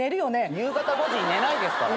夕方５時に寝ないですから。